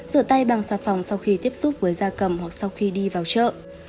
rửa tay bằng xà phòng sau khi tiếp xúc với da cầm hoặc sau khi đi vào chợ